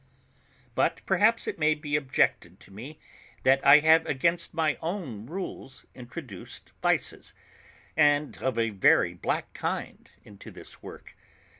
But perhaps it may be objected to me, that I have against my own rules introduced vices, and of a very black kind into this work.